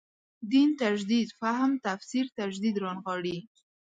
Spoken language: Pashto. دین تجدید فهم تفسیر تجدید رانغاړي.